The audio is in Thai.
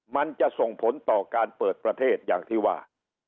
มันจะส่งผลต่อการเปิดประเทศอย่างที่ว่า